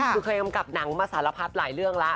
คือเคยกำกับหนังมาสารพัดหลายเรื่องแล้ว